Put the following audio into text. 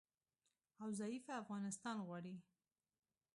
او ضعیفه افغانستان غواړي